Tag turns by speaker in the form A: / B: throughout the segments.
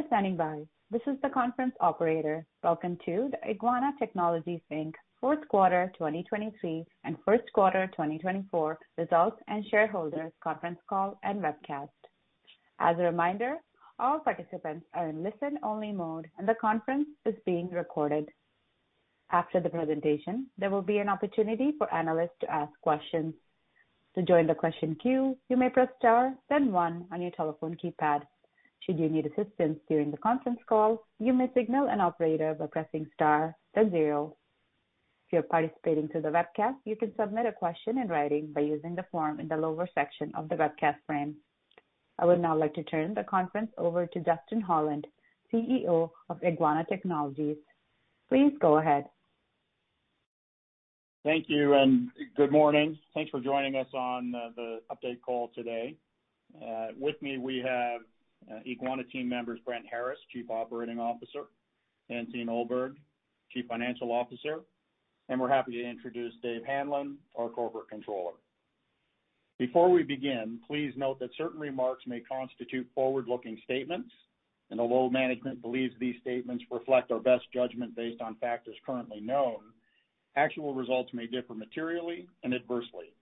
A: Thank you for standing by. This is the conference operator. Welcome to the Eguana Technologies Inc.'s fourth quarter 2023 and first quarter 2024 results and shareholders conference call and webcast. As a reminder, all participants are in listen-only mode, and the conference is being recorded. After the presentation, there will be an opportunity for analysts to ask questions. To join the question queue, you may press star then one on your telephone keypad. Should you need assistance during the conference call, you may signal an operator by pressing star then zero. If you're participating through the webcast, you can submit a question in writing by using the form in the lower section of the webcast frame. I would now like to turn the conference over to Justin Holland, CEO of Eguana Technologies. Please go ahead.
B: Thank you, and good morning. Thanks for joining us on the update call today. With me, we have Eguana team members, Brent Harris, Chief Operating Officer, Hansine Ullberg, Chief Financial Officer, and we're happy to introduce Dave Hanlon, our Corporate Controller. Before we begin, please note that certain remarks may constitute forward-looking statements, and although management believes these statements reflect our best judgment based on factors currently known, actual results may differ materially and adversely.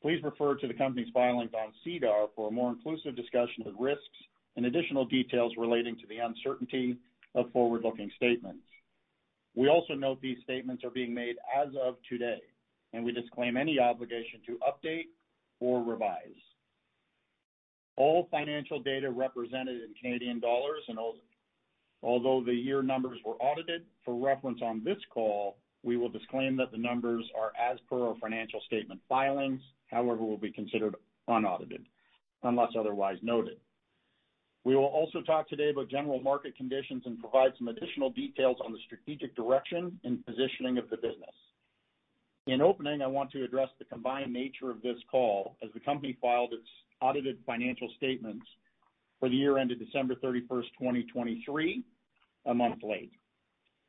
B: Please refer to the company's filings on SEDAR for a more inclusive discussion of risks and additional details relating to the uncertainty of forward-looking statements. We also note these statements are being made as of today, and we disclaim any obligation to update or revise. All financial data represented in Canadian dollars, and although the year numbers were audited, for reference on this call, we will disclaim that the numbers are as per our financial statement filings, however, will be considered unaudited, unless otherwise noted. We will also talk today about general market conditions and provide some additional details on the strategic direction and positioning of the business. In opening, I want to address the combined nature of this call, as the company filed its audited financial statements for the year ended December 31, 2023, a month late.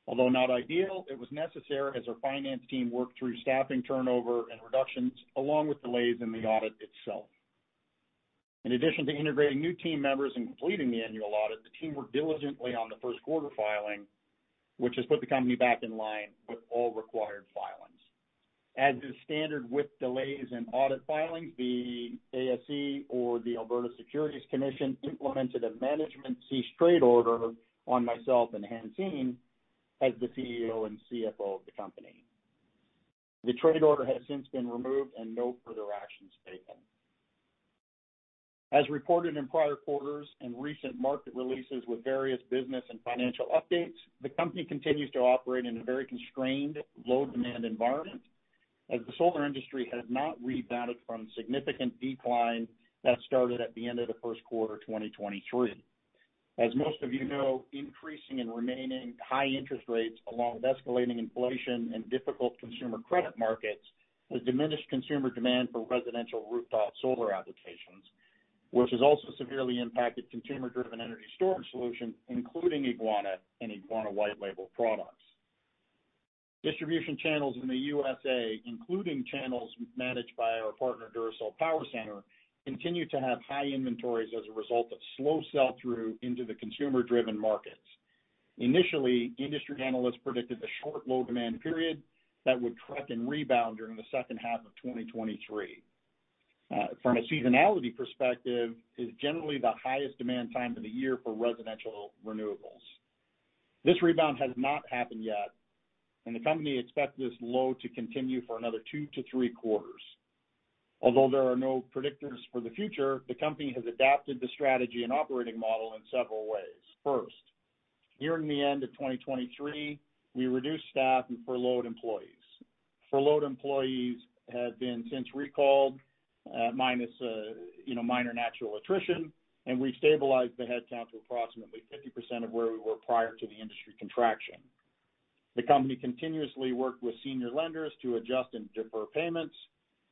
B: Although not ideal, it was necessary as our finance team worked through staffing turnover and reductions, along with delays in the audit itself. In addition to integrating new team members and completing the annual audit, the team worked diligently on the first quarter filing, which has put the company back in line with all required filings. As is standard with delays in audit filings, the ASC or the Alberta Securities Commission implemented a management cease trade order on myself and Hansine, as the CEO and CFO of the company. The trade order has since been removed and no further actions taken. As reported in prior quarters and recent market releases with various business and financial updates, the company continues to operate in a very constrained, low-demand environment, as the solar industry has not rebounded from significant decline that started at the end of the first quarter, 2023. As most of you know, increasing and remaining high interest rates, along with escalating inflation and difficult consumer credit markets, has diminished consumer demand for residential rooftop solar applications, which has also severely impacted consumer-driven energy storage solutions, including Eguana and Eguana white label products. Distribution channels in the USA, including channels managed by our partner, Duracell Power Center, continue to have high inventories as a result of slow sell-through into the consumer-driven markets. Initially, industry analysts predicted a short, low-demand period that would track and rebound during the second half of 2023. From a seasonality perspective, is generally the highest demand time of the year for residential renewables. This rebound has not happened yet, and the company expects this low to continue for another 2-3 quarters. Although there are no predictors for the future, the company has adapted the strategy and operating model in several ways. First, during the end of 2023, we reduced staff and furloughed employees. Furloughed employees have been since recalled, minus, you know, minor natural attrition, and we've stabilized the headcount to approximately 50% of where we were prior to the industry contraction. The company continuously worked with senior lenders to adjust and defer payments,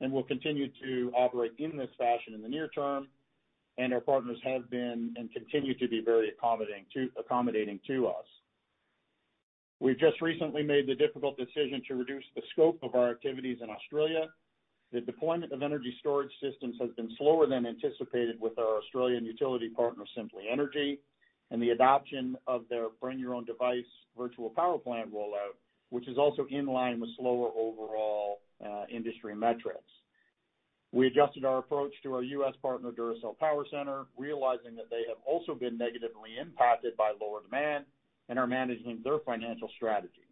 B: and will continue to operate in this fashion in the near term, and our partners have been and continue to be very accommodating to, accommodating to us. We've just recently made the difficult decision to reduce the scope of our activities in Australia. The deployment of energy storage systems has been slower than anticipated with our Australian utility partner, Simply Energy, and the adoption of their Bring Your Own Device virtual power plant rollout, which is also in line with slower overall industry metrics. We adjusted our approach to our US partner, Duracell Power Center, realizing that they have also been negatively impacted by lower demand and are managing their financial strategy.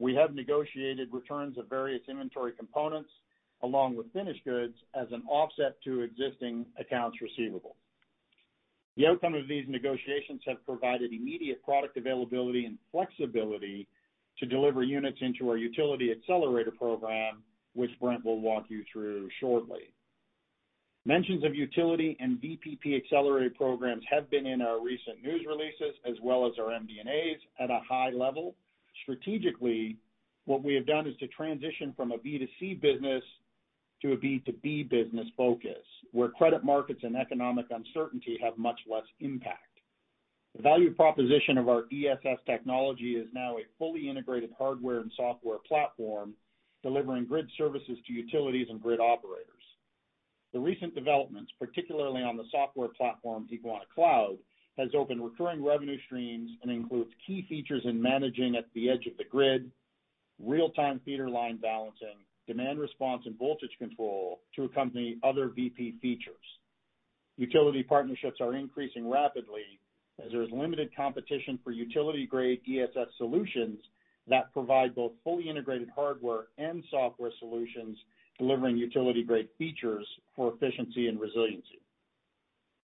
B: We have negotiated returns of various inventory components along with finished goods as an offset to existing accounts receivable. The outcome of these negotiations have provided immediate product availability and flexibility to deliver units into our Utility Accelerator Program, which Brent will walk you through shortly. Mentions of utility and VPP accelerator programs have been in our recent news releases, as well as our MD&As at a high level. Strategically, what we have done is to transition from a B2C business to a B2B business focus, where credit markets and economic uncertainty have much less impact. The value proposition of our ESS technology is now a fully integrated hardware and software platform, delivering grid services to utilities and grid operators. The recent developments, particularly on the software platform, Eguana Cloud, has opened recurring revenue streams and includes key features in managing at the edge of the grid, real-time feeder line balancing, demand response, and voltage control to accompany other VPP features. Utility partnerships are increasing rapidly as there is limited competition for utility-grade ESS solutions that provide both fully integrated hardware and software solutions, delivering utility-grade features for efficiency and resiliency.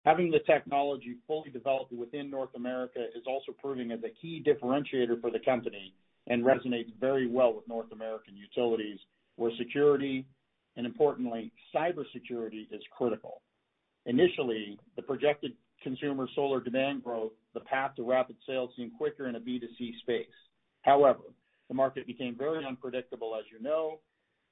B: Having the technology fully developed within North America is also proving as a key differentiator for the company and resonates very well with North American utilities, where security, and importantly, cybersecurity, is critical. Initially, the projected consumer solar demand growth, the path to rapid sales, seemed quicker in a B2C space. However, the market became very unpredictable, as you know,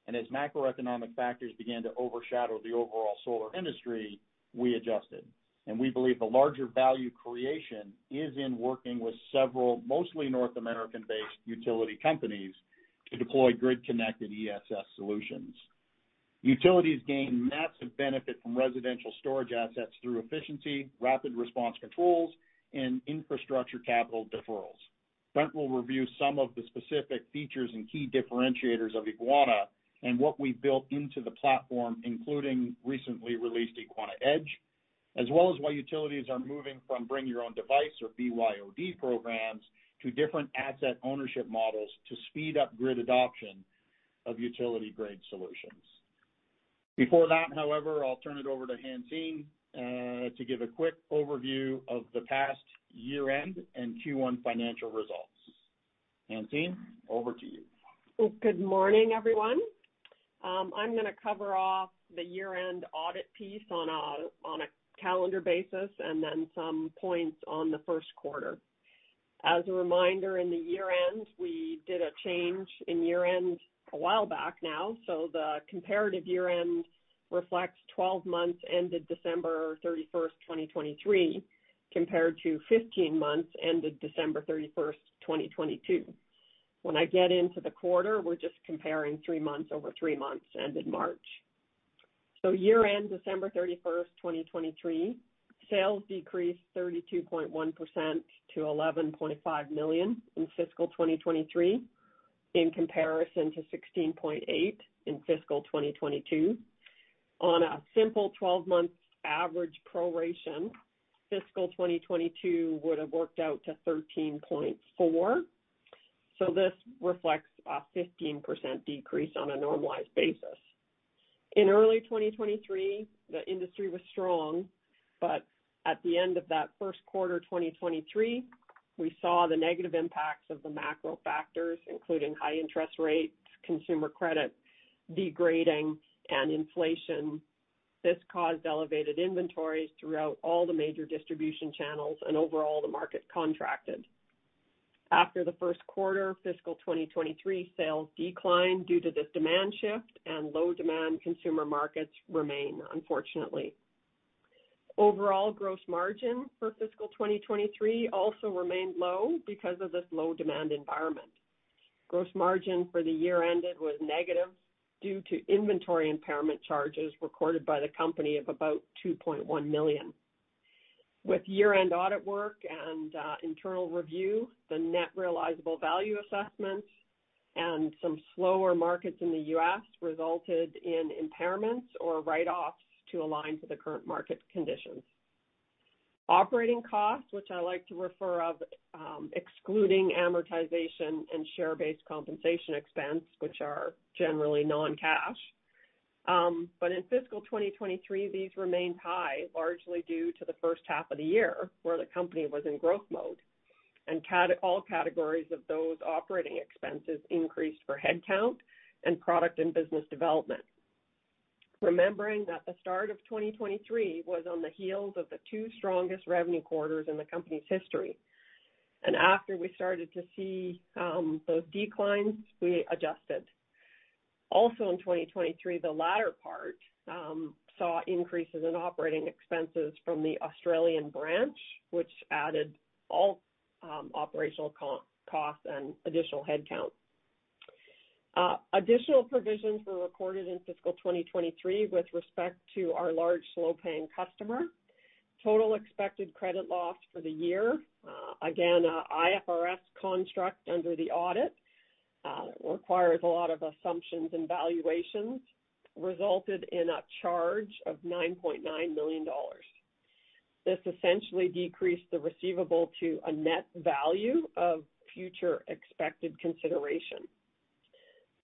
B: and as macroeconomic factors began to overshadow the overall solar industry, we adjusted. And we believe the larger value creation is in working with several, mostly North American-based utility companies, to deploy grid-connected ESS solutions. Utilities gain massive benefit from residential storage assets through efficiency, rapid response controls, and infrastructure capital deferrals. Brent will review some of the specific features and key differentiators of Eguana and what we've built into the platform, including recently released Eguana Edge, as well as why utilities are moving from bring your own device or BYOD programs to different asset ownership models to speed up grid adoption of utility-grade solutions. Before that, however, I'll turn it over to Hansine to give a quick overview of the past year-end and Q1 financial results. Hansine, over to you.
C: Good morning, everyone. I'm gonna cover off the year-end audit piece on a calendar basis, and then some points on the first quarter. As a reminder, in the year-end, we did a change in year-end a while back now, so the comparative year-end reflects 12 months, ended December 31, 2023, compared to 15 months, ended December 31, 2022. When I get into the quarter, we're just comparing 3 months over 3 months, ended March. So year-end, December 31, 2023, sales decreased 32.1% to 11.5 million in fiscal 2023, in comparison to 16.8 million in fiscal 2022. On a simple 12-month average proration, fiscal 2022 would have worked out to 13.4 million, so this reflects a 15% decrease on a normalized basis. In early 2023, the industry was strong, but at the end of that first quarter, 2023, we saw the negative impacts of the macro factors, including high interest rates, consumer credit degrading, and inflation. This caused elevated inventories throughout all the major distribution channels, and overall, the market contracted. After the first quarter of fiscal 2023, sales declined due to this demand shift, and low demand consumer markets remain, unfortunately. Overall, gross margin for fiscal 2023 also remained low because of this low-demand environment. Gross margin for the year ended was negative due to inventory impairment charges recorded by the company of about 2.1 million. With year-end audit work and internal review, the net realizable value assessments and some slower markets in the US resulted in impairments or write-offs to align to the current market conditions. Operating costs, which I like to refer of, excluding amortization and share-based compensation expense, which are generally non-cash. But in fiscal 2023, these remained high, largely due to the first half of the year, where the company was in growth mode, and all categories of those operating expenses increased for headcount and product and business development. Remembering that the start of 2023 was on the heels of the two strongest revenue quarters in the company's history. And after we started to see those declines, we adjusted. Also, in 2023, the latter part saw increases in operating expenses from the Australian branch, which added all operational costs and additional headcount. Additional provisions were recorded in fiscal 2023 with respect to our large, slow-paying customer. Total expected credit loss for the year, again, IFRS construct under the audit requires a lot of assumptions and valuations, resulted in a charge of 9.9 million dollars. This essentially decreased the receivable to a net value of future expected consideration.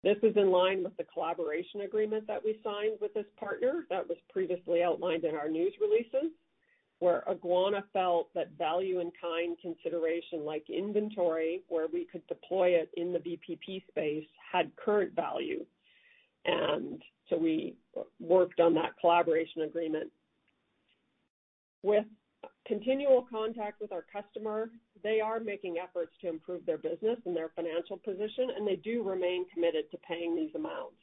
C: This is in line with the collaboration agreement that we signed with this partner, that was previously outlined in our news releases, where Eguana felt that value and kind consideration, like inventory, where we could deploy it in the VPP space, had current value. And so we worked on that collaboration agreement. With continual contact with our customer, they are making efforts to improve their business and their financial position, and they do remain committed to paying these amounts.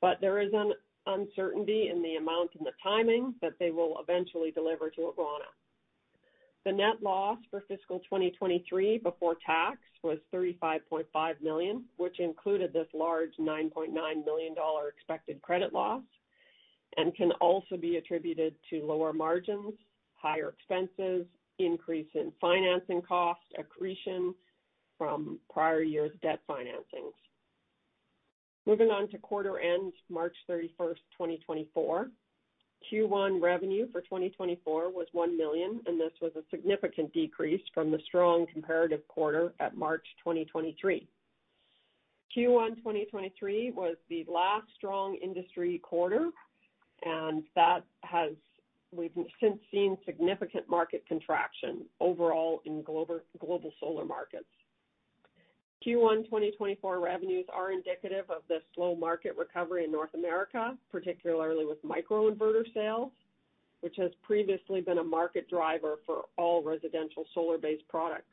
C: But there is an uncertainty in the amount and the timing that they will eventually deliver to Eguana. The net loss for fiscal 2023 before tax was 35.5 million, which included this large 9.9 million dollar expected credit loss, and can also be attributed to lower margins, higher expenses, increase in financing costs, accretion from prior years' debt financings. Moving on to quarter end, March 31, 2024. Q1 revenue for 2024 was 1 million, and this was a significant decrease from the strong comparative quarter at March 2023. Q1 2023 was the last strong industry quarter, and that has. We've since seen significant market contraction overall in global solar markets. Q1 2024 revenues are indicative of the slow market recovery in North America, particularly with microinverter sales, which has previously been a market driver for all residential solar-based products.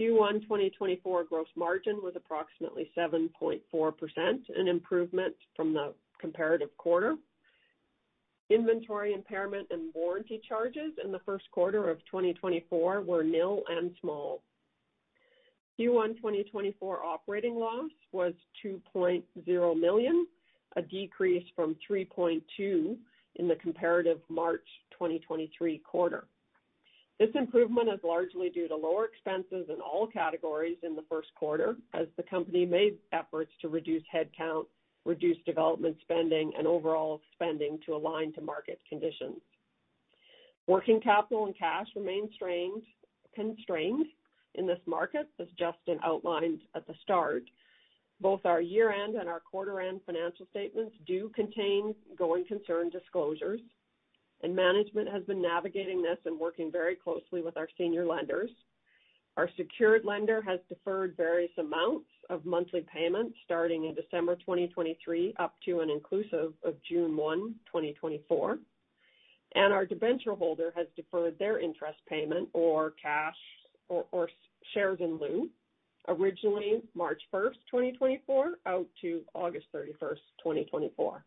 C: Q1 2024 gross margin was approximately 7.4%, an improvement from the comparative quarter. Inventory impairment and warranty charges in the first quarter of 2024 were nil and small. Q1 2024 operating loss was 2.0 million, a decrease from 3.2 million in the comparative March 2023 quarter. This improvement is largely due to lower expenses in all categories in the first quarter, as the company made efforts to reduce headcount, reduce development spending, and overall spending to align to market conditions. Working capital and cash remain strained, constrained in this market, as Justin outlined at the start. Both our year-end and our quarter-end financial statements do contain going concern disclosures, and management has been navigating this and working very closely with our senior lenders. Our secured lender has deferred various amounts of monthly payments starting in December 2023, up to and inclusive of June 1, 2024. Our debenture holder has deferred their interest payment or cash or shares in lieu, originally March first, 2024, out to August 31, 2024.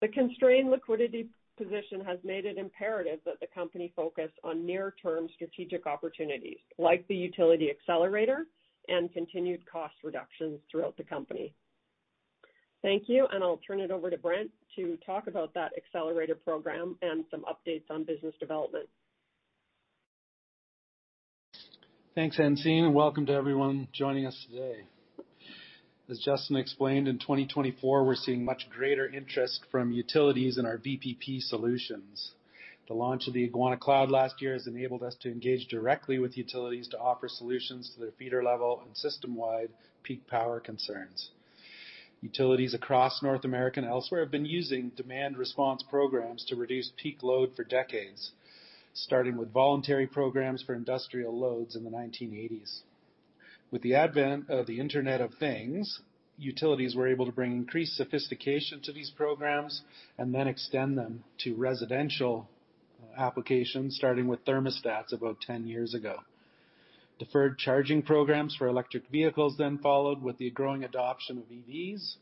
C: The constrained liquidity position has made it imperative that the company focus on near-term strategic opportunities, like the utility accelerator and continued cost reductions throughout the company. Thank you, and I'll turn it over to Brent to talk about that accelerator program and some updates on business development.
D: Thanks, Hansine, and welcome to everyone joining us today. As Justin explained, in 2024, we're seeing much greater interest from utilities in our VPP solutions. The launch of the Eguana Cloud last year has enabled us to engage directly with utilities to offer solutions to their feeder-level and system-wide peak power concerns. Utilities across North America and elsewhere have been using demand response programs to reduce peak load for decades, starting with voluntary programs for industrial loads in the 1980s. With the advent of the Internet of Things, utilities were able to bring increased sophistication to these programs and then extend them to residential applications, starting with thermostats about 10 years ago. Deferred charging programs for electric vehicles then followed with the growing adoption of EVs.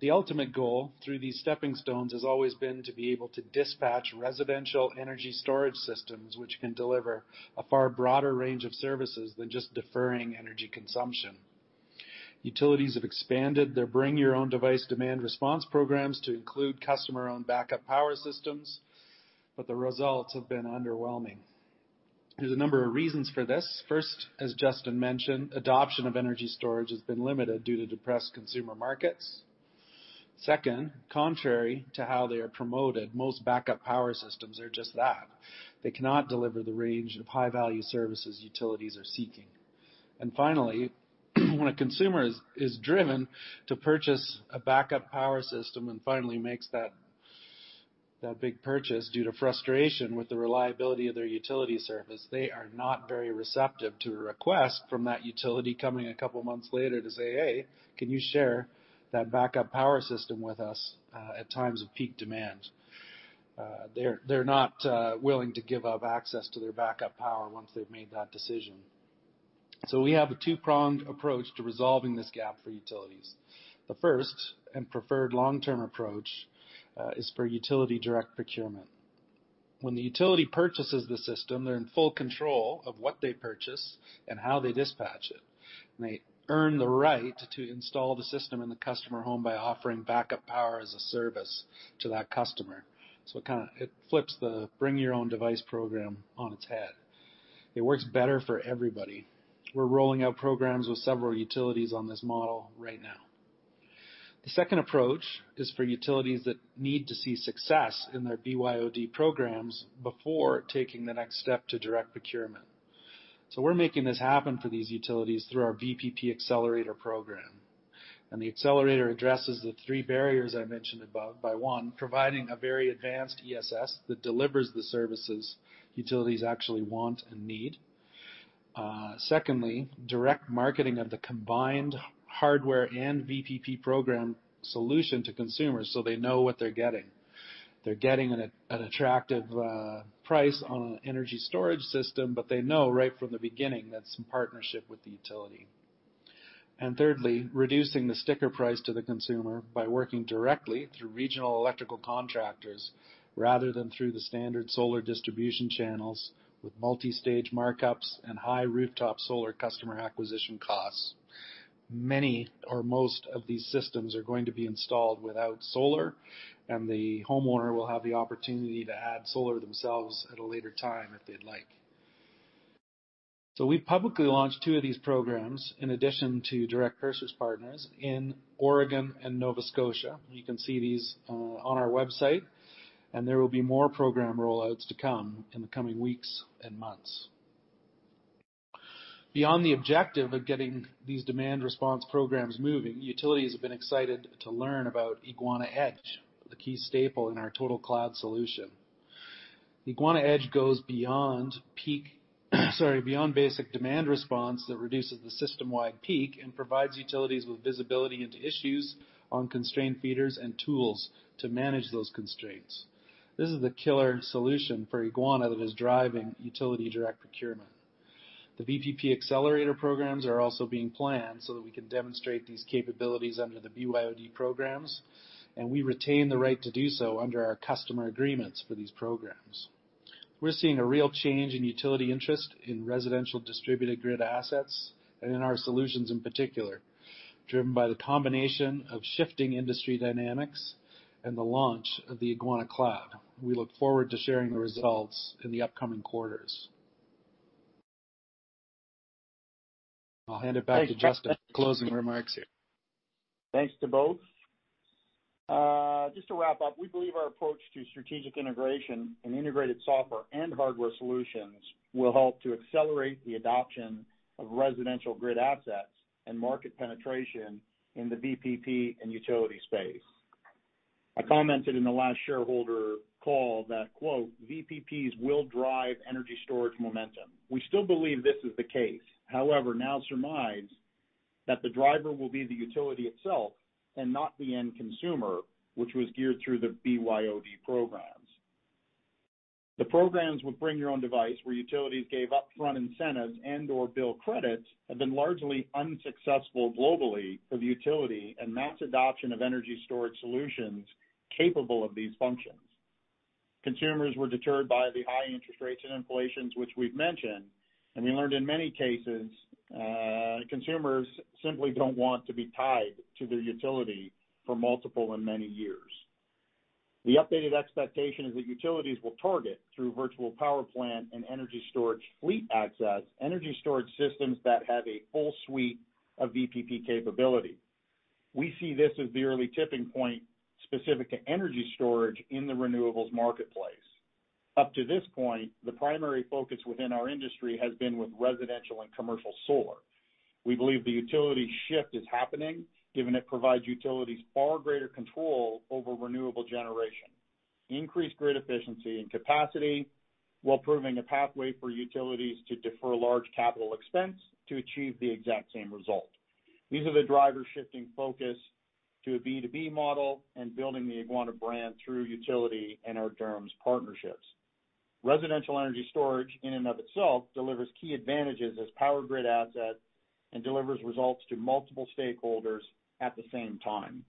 D: The ultimate goal through these stepping stones has always been to be able to dispatch residential energy storage systems, which can deliver a far broader range of services than just deferring energy consumption. Utilities have expanded their bring your own device demand response programs to include customer-owned backup power systems, but the results have been underwhelming. There's a number of reasons for this. First, as Justin mentioned, adoption of energy storage has been limited due to depressed consumer markets. Second, contrary to how they are promoted, most backup power systems are just that. They cannot deliver the range of high-value services utilities are seeking. Finally, when a consumer is driven to purchase a backup power system and finally makes that big purchase due to frustration with the reliability of their utility service, they are not very receptive to a request from that utility coming a couple of months later to say, "Hey, can you share that backup power system with us at times of peak demand?" They're not willing to give up access to their backup power once they've made that decision. So we have a two-pronged approach to resolving this gap for utilities. The first and preferred long-term approach is for utility direct procurement. When the utility purchases the system, they're in full control of what they purchase and how they dispatch it, and they earn the right to install the system in the customer home by offering backup power as a service to that customer. So it kind of, it flips the bring your own device program on its head. It works better for everybody. We're rolling out programs with several utilities on this model right now. The second approach is for utilities that need to see success in their BYOD programs before taking the next step to direct procurement. So we're making this happen for these utilities through our VPP Accelerator Program. And the accelerator addresses the three barriers I mentioned above by one, providing a very advanced ESS that delivers the services utilities actually want and need. Secondly, direct marketing of the combined hardware and VPP program solution to consumers so they know what they're getting. They're getting an attractive price on an energy storage system, but they know right from the beginning that's in partnership with the utility. And thirdly, reducing the sticker price to the consumer by working directly through regional electrical contractors rather than through the standard solar distribution channels with multi-stage markups and high rooftop solar customer acquisition costs. Many or most of these systems are going to be installed without solar, and the homeowner will have the opportunity to add solar themselves at a later time if they'd like. So we've publicly launched two of these programs in addition to direct customer partners in Oregon and Nova Scotia. You can see these on our website, and there will be more program rollouts to come in the coming weeks and months. Beyond the objective of getting these demand response programs moving, utilities have been excited to learn about Eguana Edge, the key staple in our Total Cloud solution. Eguana Edge goes beyond peak, sorry, beyond basic demand response that reduces the system-wide peak and provides utilities with visibility into issues on constrained feeders and tools to manage those constraints. This is the killer solution for Eguana that is driving utility direct procurement. The VPP accelerator programs are also being planned so that we can demonstrate these capabilities under the BYOD programs, and we retain the right to do so under our customer agreements for these programs. We're seeing a real change in utility interest in residential distributed grid assets and in our solutions in particular, driven by the combination of shifting industry dynamics and the launch of the Eguana Cloud. We look forward to sharing the results in the upcoming quarters. I'll hand it back to Justin for closing remarks here.
B: Thanks to both. Just to wrap up, we believe our approach to strategic integration and integrated software and hardware solutions will help to accelerate the adoption of residential grid assets and market penetration in the VPP and utility space. I commented in the last shareholder call that, quote, "VPPs will drive energy storage momentum." We still believe this is the case. However, now surmise that the driver will be the utility itself and not the end consumer, which was geared through the BYOD programs. The programs with Bring Your Own Device, where utilities gave upfront incentives and/or bill credits, have been largely unsuccessful globally for the utility and mass adoption of energy storage solutions capable of these functions. Consumers were deterred by the high interest rates and inflation, which we've mentioned, and we learned in many cases, consumers simply don't want to be tied to their utility for multiple and many years. The updated expectation is that utilities will target, through virtual power plant and energy storage fleet access, energy storage systems that have a full suite of VPP capability. We see this as the early tipping point specific to energy storage in the renewables marketplace. Up to this point, the primary focus within our industry has been with residential and commercial solar. We believe the utility shift is happening, given it provides utilities far greater control over renewable generation, increased grid efficiency and capacity, while proving a pathway for utilities to defer large capital expense to achieve the exact same result. These are the drivers shifting focus to a B2B model and building the Eguana brand through utility and our DERMS partnerships. Residential energy storage, in and of itself, delivers key advantages as power grid assets and delivers results to multiple stakeholders at the same time.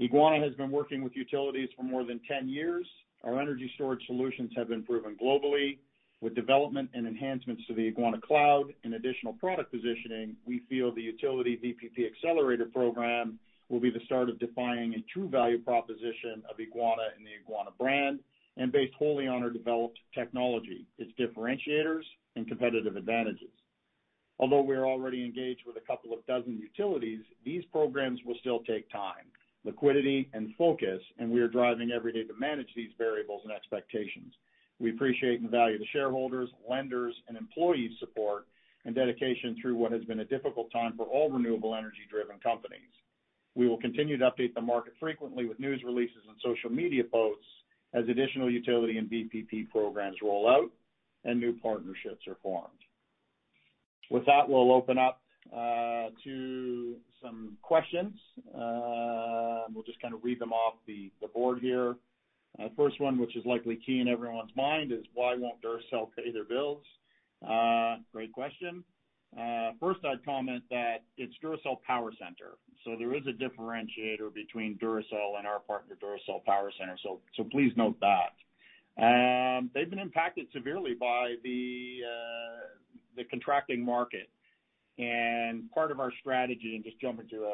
B: Eguana has been working with utilities for more than 10 years. Our energy storage solutions have been proven globally. With development and enhancements to the Eguana Cloud and additional product positioning, we feel the utility VPP accelerator program will be the start of defining a true value proposition of Eguana and the Eguana brand, and based wholly on our developed technology, its differentiators and competitive advantages. Although we are already engaged with a couple of dozen utilities, these programs will still take time, liquidity, and focus, and we are driving every day to manage these variables and expectations. We appreciate and value the shareholders, lenders, and employees' support and dedication through what has been a difficult time for all renewable energy-driven companies. We will continue to update the market frequently with news releases and social media posts as additional utility and VPP programs roll out and new partnerships are formed. With that, we'll open up to some questions. We'll just kind of read them off the board here. First one, which is likely key in everyone's mind, is why won't Duracell pay their bills? Great question. First, I'd comment that it's Duracell Power Center, so there is a differentiator between Duracell and our partner, Duracell Power Center, so please note that. They've been impacted severely by the contracting market. And part of our strategy, and just jumping to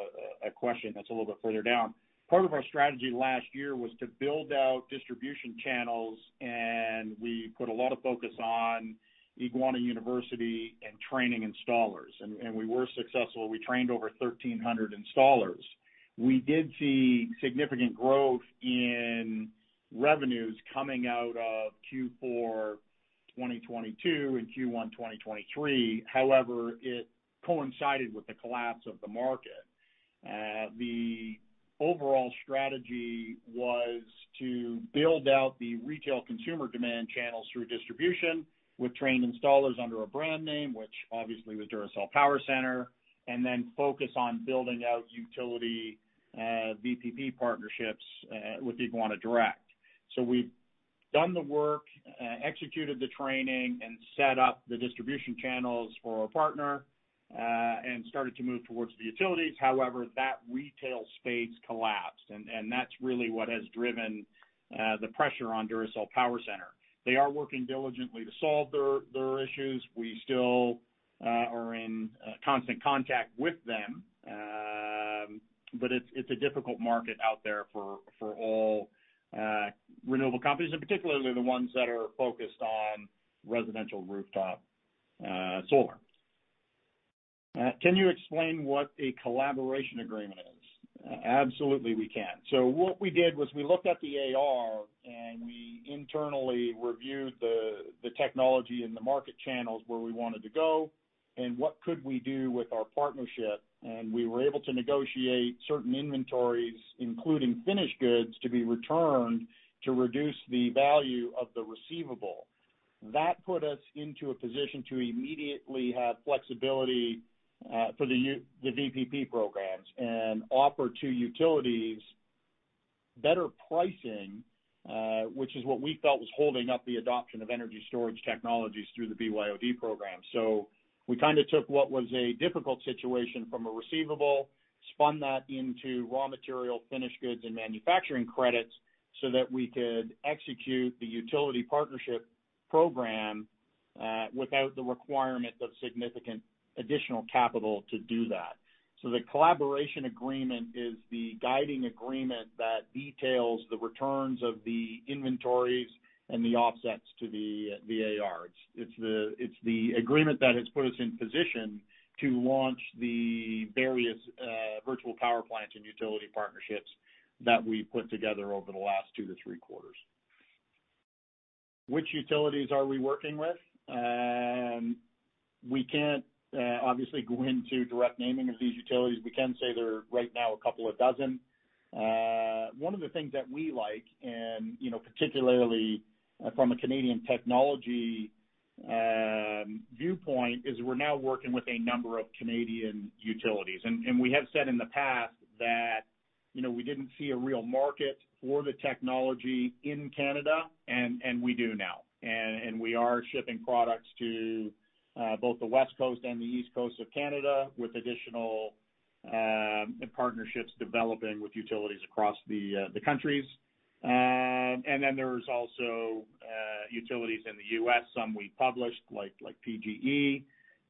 B: a question that's a little bit further down. Part of our strategy last year was to build out distribution channels, and we put a lot of focus on Eguana University and training installers, and we were successful. We trained over 1,300 installers. We did see significant growth in revenues coming out of Q4 2022 and Q1 2023. However, it coincided with the collapse of the market. The overall strategy was to build out the retail consumer demand channels through distribution with trained installers under a brand name, which obviously was Duracell Power Center, and then focus on building out utility VPP partnerships with Eguana Direct. So we've done the work, executed the training, and set up the distribution channels for our partner, and started to move towards the utilities. However, that retail space collapsed, and that's really what has driven the pressure on Duracell Power Center. They are working diligently to solve their issues. We still are in constant contact with them. But it's a difficult market out there for all renewable companies, and particularly the ones that are focused on residential rooftop solar. Can you explain what a collaboration agreement is? Absolutely, we can. So what we did was we looked at the AR, and we internally reviewed the technology and the market channels where we wanted to go, and what could we do with our partnership. And we were able to negotiate certain inventories, including finished goods, to be returned to reduce the value of the receivable. That put us into a position to immediately have flexibility for the VPP programs and offer to utilities better pricing, which is what we felt was holding up the adoption of energy storage technologies through the BYOD program. So we kind of took what was a difficult situation from a receivable, spun that into raw material, finished goods, and manufacturing credits so that we could execute the utility partnership program without the requirement of significant additional capital to do that. So the collaboration agreement is the guiding agreement that details the returns of the inventories and the offsets to the, the AR. It's, it's the, it's the agreement that has put us in position to launch the various virtual power plants and utility partnerships that we've put together over the last two to three quarters. Which utilities are we working with? We can't obviously go into direct naming of these utilities. We can say there are, right now, a couple of dozen. One of the things that we like and, you know, particularly from a Canadian technology viewpoint, is we're now working with a number of Canadian utilities. And we have said in the past that, you know, we didn't see a real market for the technology in Canada, and we do now. And we are shipping products to both the West Coast and the East Coast of Canada, with additional partnerships developing with utilities across the countries. And then there's also utilities in the U.S., some we published, like PGE,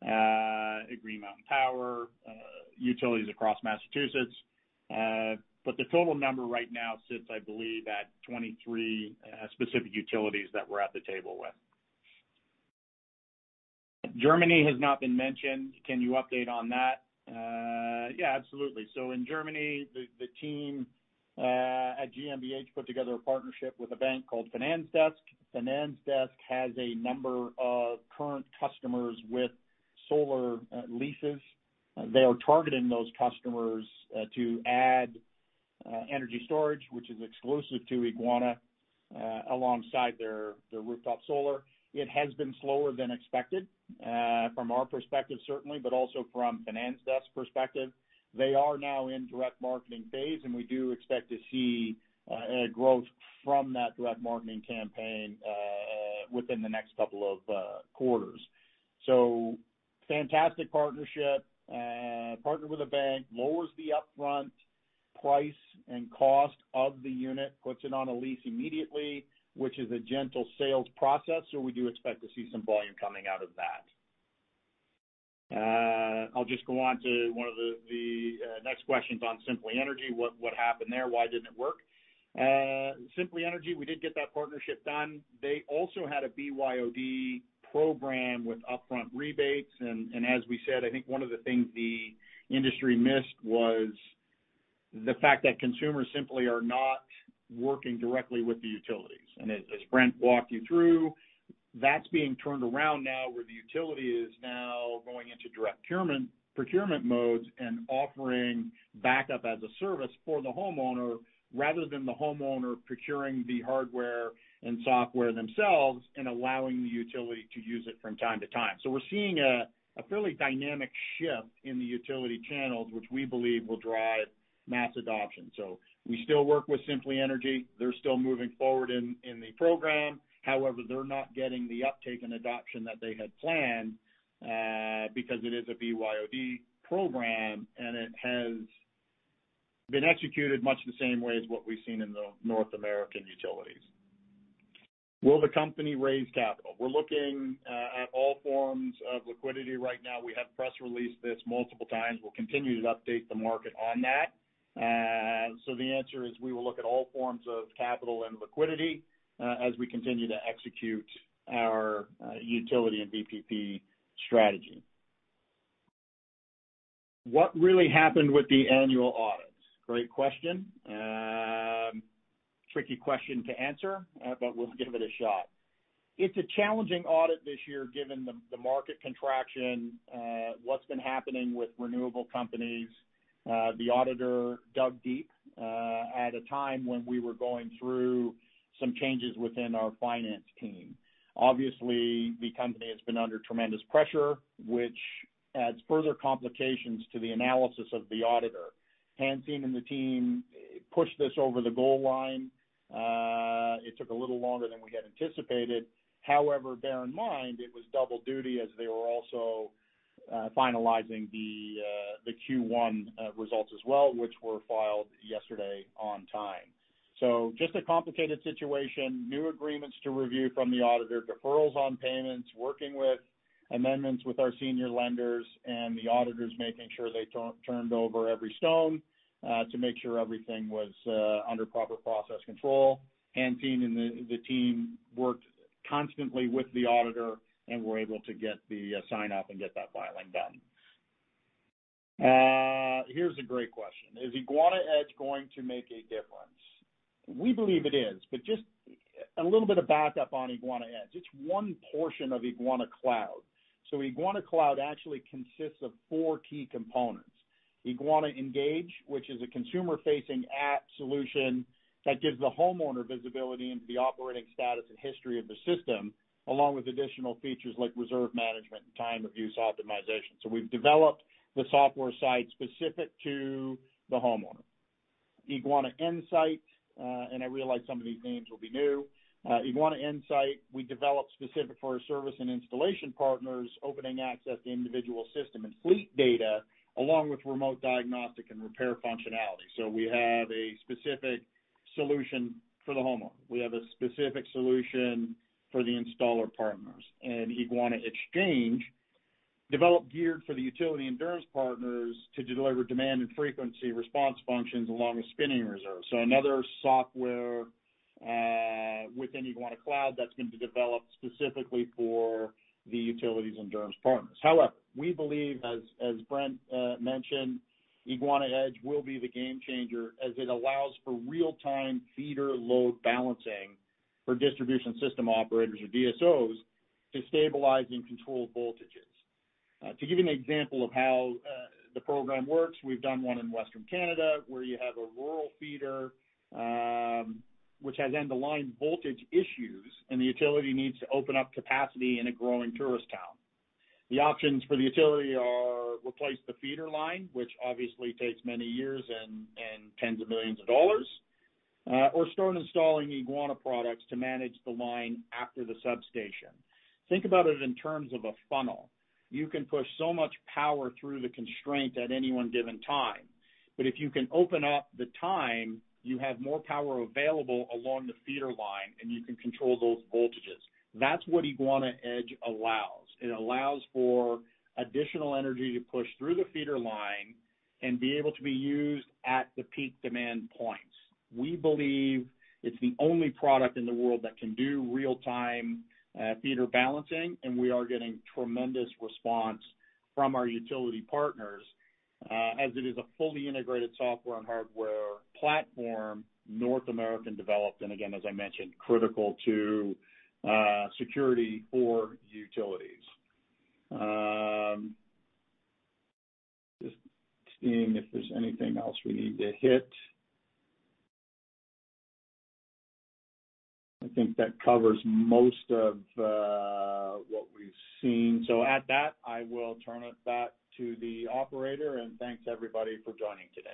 B: Green Mountain Power, utilities across Massachusetts. But the total number right now sits, I believe, at 23 specific utilities that we're at the table with. Germany has not been mentioned. Can you update on that? Yeah, absolutely. So in Germany, the team at GmbH put together a partnership with a bank called Finanzdesk. Finanzdesk has a number of current customers with solar leases. They are targeting those customers to add energy storage, which is exclusive to Eguana, alongside their rooftop solar. It has been slower than expected from our perspective, certainly, but also from Finanzdesk's perspective. They are now in direct marketing phase, and we do expect to see a growth from that direct marketing campaign within the next couple of quarters. So fantastic partnership. Partnered with a bank, lowers the upfront price and cost of the unit, puts it on a lease immediately, which is a gentle sales process, so we do expect to see some volume coming out of that. I'll just go on to one of the next questions on Simply Energy. What happened there? Why didn't it work? Simply Energy, we did get that partnership done. They also had a BYOD program with upfront rebates. And as we said, I think one of the things the industry missed was the fact that consumers simply are not working directly with the utilities. As Brent walked you through, that's being turned around now, where the utility is now going into direct procurement, procurement modes and offering backup as a service for the homeowner, rather than the homeowner procuring the hardware and software themselves and allowing the utility to use it from time to time. We're seeing a fairly dynamic shift in the utility channels, which we believe will drive mass adoption. We still work with Simply Energy. They're still moving forward in the program. However, they're not getting the uptake and adoption that they had planned, because it is a BYOD program, and it has been executed much the same way as what we've seen in the North American utilities. Will the company raise capital? We're looking at all forms of liquidity right now. We have press released this multiple times. We'll continue to update the market on that. So the answer is we will look at all forms of capital and liquidity, as we continue to execute our, utility and VPP strategy. What really happened with the annual audits? Great question. Tricky question to answer, but we'll give it a shot. It's a challenging audit this year, given the, the market contraction, what's been happening with renewable companies. The auditor dug deep, at a time when we were going through some changes within our finance team. Obviously, the company has been under tremendous pressure, which adds further complications to the analysis of the auditor. Hansine and the team pushed this over the goal line. It took a little longer than we had anticipated. However, bear in mind, it was double duty as they were also finalizing the the Q1 results as well, which were filed yesterday on time. So just a complicated situation, new agreements to review from the auditor, deferrals on payments, working with amendments with our senior lenders and the auditors, making sure they turned over every stone to make sure everything was under proper process control. Hansine and the team worked constantly with the auditor and were able to get the sign off and get that filing done. Here's a great question: Is Eguana Edge going to make a difference? We believe it is, but just a little bit of backup on Eguana Edge. It's one portion of Eguana Cloud. So Eguana Cloud actually consists of four key components. Eguana Engage, which is a consumer-facing app solution that gives the homeowner visibility into the operating status and history of the system, along with additional features like reserve management and time of use optimization. So we've developed the software side specific to the homeowner. Eguana Insight, and I realize some of these names will be new. Eguana Insight, we developed specific for our service and installation partners, opening access to individual system and fleet data, along with remote diagnostic and repair functionality. So we have a specific solution for the homeowner. We have a specific solution for the installer partners. And Eguana Exchange, developed geared for the utility and DERMS partners to deliver demand and frequency response functions along with spinning reserves. So another software within Eguana Cloud that's been developed specifically for the utilities and DERMS partners. However, we believe, as Brent mentioned, Eguana Edge will be the game changer as it allows for real-time feeder load balancing for distribution system operators or DSOs to stabilize and control voltages. To give you an example of how the program works, we've done one in Western Canada, where you have a rural feeder, which has end-of-line voltage issues, and the utility needs to open up capacity in a growing tourist town. The options for the utility are replace the feeder line, which obviously takes many years and tens of millions of CAD, or start installing Eguana products to manage the line after the substation. Think about it in terms of a funnel. You can push so much power through the constraint at any one given time, but if you can open up the time, you have more power available along the feeder line, and you can control those voltages. That's what Eguana Edge allows. It allows for additional energy to push through the feeder line and be able to be used at the peak demand points. We believe it's the only product in the world that can do real-time feeder balancing, and we are getting tremendous response from our utility partners, as it is a fully integrated software and hardware platform, North American-developed, and again, as I mentioned, critical to security for utilities. Just seeing if there's anything else we need to hit. I think that covers most of what we've seen. At that, I will turn it back to the operator, and thanks, everybody, for joining today.